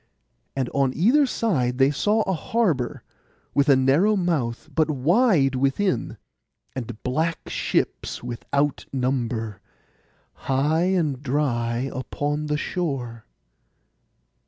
And on either side they saw a harbour, with a narrow mouth, but wide within; and black ships without number, high and dry upon the shore.